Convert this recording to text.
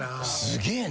すげえな。